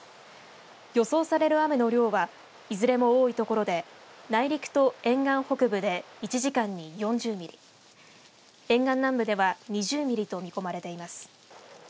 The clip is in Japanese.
予想される雨の量はいずれも多い所で内陸と沿岸北部で１時間に４０ミリ、沿岸南部では２０ミリと見込まれています。